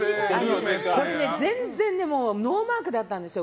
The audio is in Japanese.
全然ノーマークだったんですよ。